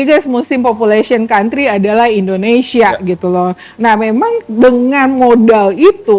atau kuring per netizen dari indonesia di indonesia